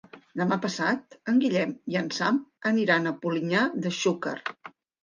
Demà passat en Guillem i en Sam aniran a Polinyà de Xúquer.